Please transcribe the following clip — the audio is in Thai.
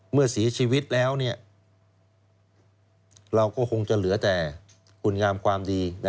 เมื่อเสียชีวิตแล้วเราก็คงจะเหลือแต่คุณงามความดี